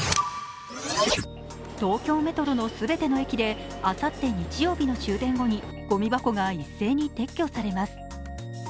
東京メトロのすべての駅であさって日曜日の終電後にごみ箱が一斉に撤去されます。